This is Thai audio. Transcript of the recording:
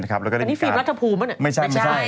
แล้วก็ได้มีการ